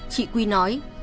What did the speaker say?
chị quy nói